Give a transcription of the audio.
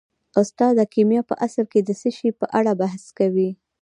استاده کیمیا په اصل کې د څه شي په اړه بحث کوي